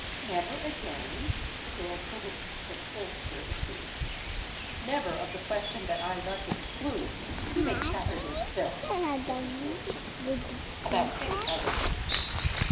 "Never again?"—the girl put it as for full certitude. "Never of the question that I thus exclude. You may chatter your fill," said his lordship curtly, "about any others."